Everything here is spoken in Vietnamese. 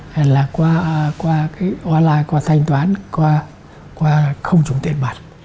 hay là qua cái hoa lại qua thanh toán qua không trùng tiền mặt